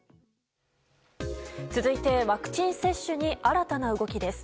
続いてワクチン接種に新たな動きです。